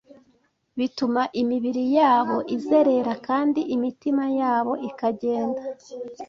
bituma imibiri yabo izerera kandi imitima yabo ikagenda